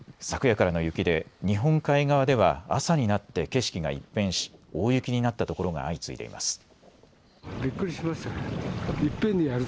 昨夜からの雪で日本海側では朝になって景色が一変し、大雪になったところが相次いでいます。